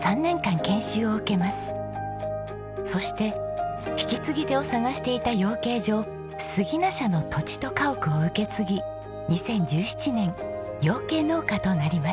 そして引き継ぎ手を探していた養鶏場すぎな舎の土地と家屋を受け継ぎ２０１７年養鶏農家となりました。